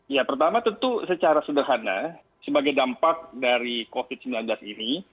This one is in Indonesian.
ya pertama tentu secara sederhana sebagai dampak dari covid sembilan belas ini